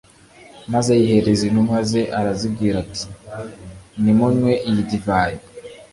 maze ayihereza intumwa ze arazibwira ati nimunywe iyi divayi